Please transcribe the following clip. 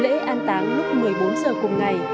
lễ an táng lúc một mươi bốn giờ cùng ngày